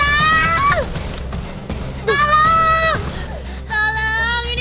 ayo kita lari aja deh